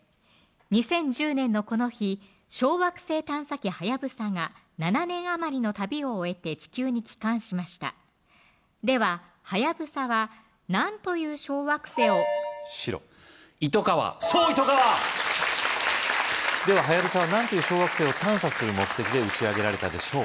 ２０１０年のこの日小惑星探査機はやぶさが７年余りの旅を終えて地球に帰還しましたでははやぶさは何という小惑星を白イトカワそうイトカワでははやぶさは何という小惑星を探査する目的で打ち上げられたでしょう